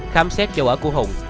khám xét châu ở của hùng